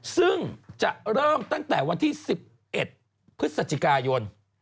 ซึ่งจะเริ่มตั้งแต่วันที่๑๑พฤศจิกายน